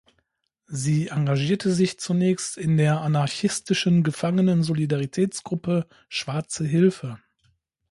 Sie engagierte sich zunächst in der anarchistischen Gefangenen-Solidaritätsgruppe Schwarze Hilfe.